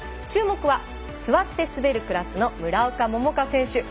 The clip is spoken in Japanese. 注目は座って滑るクラスの村岡桃佳選手。